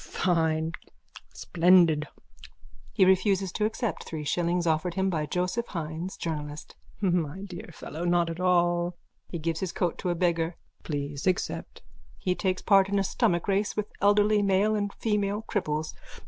_ Fine! Splendid! (He refuses to accept three shillings offered him by Joseph Hynes, journalist.) My dear fellow, not at all! (He gives his coat to a beggar.) Please accept. _(He takes part in a stomach race with elderly male and female cripples.)